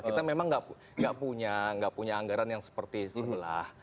kita memang nggak punya anggaran yang seperti sebelah